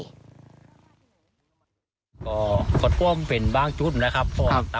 คือสิ่งแบบนี้ต้องบอกว่าเขาเอาชีวิตครอบครัวเขามาแลกเลยนะคะ